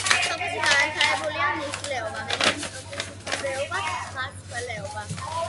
სოფელში განვითარებულია მეხილეობა, მემინდვრეობა, მეცხოველეობა.